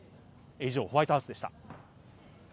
以上、ホワイトハウスでした。